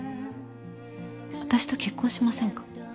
私と結婚しませんか。